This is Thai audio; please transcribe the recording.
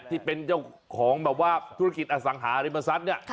ที่เป็นเจ้าของแบบว่าธุรกิจอสังหาริมทรัพย์เนี่ย